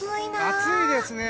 暑いですね。